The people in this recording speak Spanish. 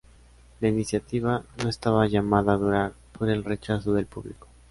La iniciativa no estaba llamada a durar, por el rechazo del público.